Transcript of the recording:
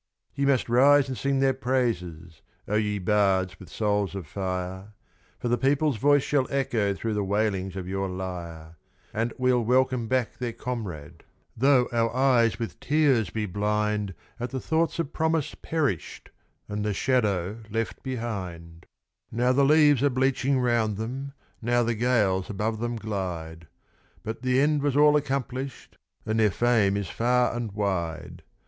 ..... Ye must rise and sing their praises, O ye bards with souls of fire, For the people's voice shall echo through the wailings of your lyre; And we'll welcome back their comrade, though our eyes with tears be blind At the thoughts of promise perished, and the shadow left behind; Now the leaves are bleaching round them now the gales above them glide, But the end was all accomplished, and their fame is far and wide.